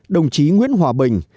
đồng chí nguyễn hòa bình